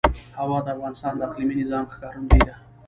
هوا د افغانستان د اقلیمي نظام ښکارندوی ده.